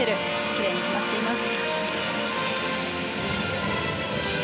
きれいに決まっています。